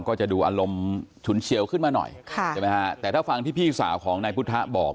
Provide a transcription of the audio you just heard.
ก็จะดูอารมณ์ฉุนเชียวขึ้นมาหน่อยค่ะใช่ไหมฮะแต่ถ้าฟังที่พี่สาวของนายพุทธะบอก